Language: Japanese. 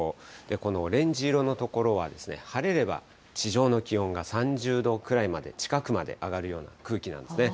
このオレンジ色の所は、晴れれば地上の気温が３０度くらいまで、近くまで上がるような空気なんですね。